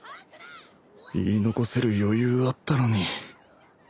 言い残せる余裕あったのに